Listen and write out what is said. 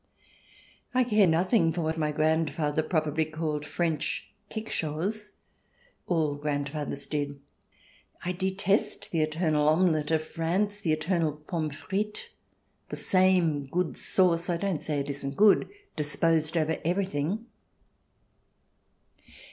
I care nothing for what my grandfather probably called French "kickshaws" — all grandfathers did. I detest the eternal omelette of France, the eternal pommes /rites, the same good sauce — I don't say it isn't good — dis posed over everything.